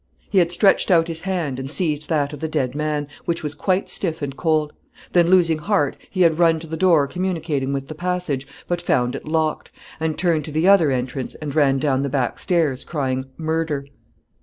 He had stretched out his hand, and seized that of the dead man, which was quite stiff and cold; then, losing heart, he had run to the door communicating with the passage, but found it locked, and turned to the other entrance, and ran down the back stairs, crying "murder."